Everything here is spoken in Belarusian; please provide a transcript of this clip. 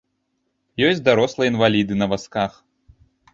Ёсць дарослыя інваліды на вазках.